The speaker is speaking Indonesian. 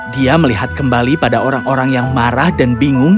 dia melihat kembali pada orang orang yang marah dan bingung